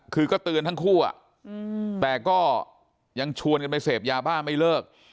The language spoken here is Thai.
คือก็เตือนทั้งคู่แต่ก็ยังชวนกันไปเสพยาบ้าไม่เลิก